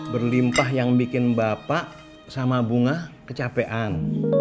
berlimpah yang bikin bapak sama bunga kecapean